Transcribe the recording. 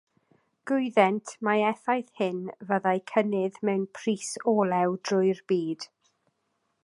Gwyddent mai effaith hyn fyddai cynnydd mewn pris olew drwy'r byd.